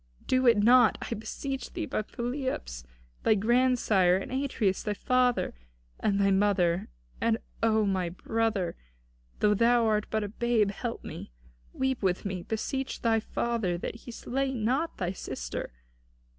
Do it not, I beseech thee, by Pelops thy grandsire, and Atreus thy father, and this my mother. And thou, O my brother, though thou art but a babe, help me. Weep with me; beseech thy father that he slay not thy sister.